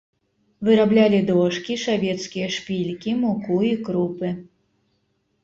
Выраблялі дошкі, шавецкія шпількі, муку і крупы.